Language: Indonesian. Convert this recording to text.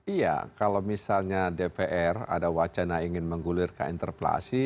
iya kalau misalnya dpr ada wacana ingin menggulirkan interpelasi